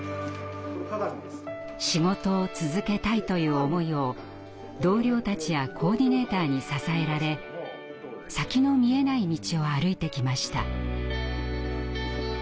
「仕事を続けたい」という思いを同僚たちやコーディネーターに支えられ先の見えない道を歩いてきました。